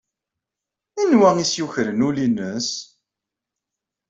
Anwa ay as-yukren ul-nnes?